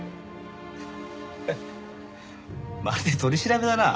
フッまるで取り調べだな。